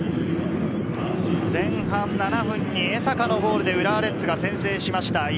前半７分に江坂のゴールで浦和レッズが先制しました。